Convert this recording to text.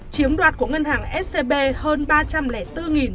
chiếm đoạt của ngân hàng scb hơn ba trăm linh bốn chín mươi sáu tỷ đồng